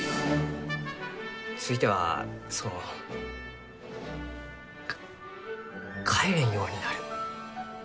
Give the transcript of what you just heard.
ついてはそのか帰れんようになる。